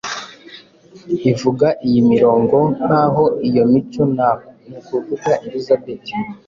ivuga iyi mirongo, nkaho iyo mico nukuvuga, Elizabeti